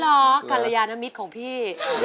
ลองกาแลยณมิตรของพี่